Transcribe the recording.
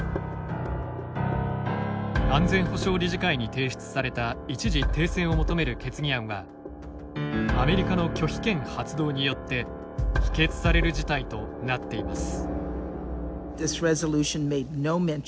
安全保障理事会に提出された一時停戦を求める決議案はアメリカの拒否権発動によって否決される事態となっています。